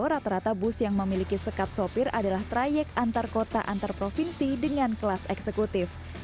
rata rata bus yang memiliki sekat sopir adalah trayek antar kota antar provinsi dengan kelas eksekutif